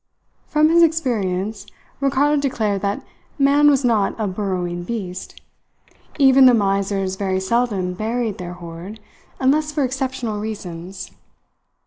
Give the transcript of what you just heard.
From his experience, Ricardo declared that man was not a burrowing beast. Even the misers very seldom buried their hoard, unless for exceptional reasons.